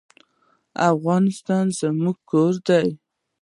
افغانستان زما کور دی؟